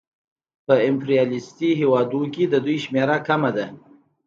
په امپریالیستي هېوادونو کې د دوی شمېره کمه ده